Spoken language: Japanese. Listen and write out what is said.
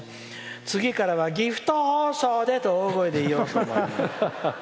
次からはギフト包装でと大声で言おうと思います」。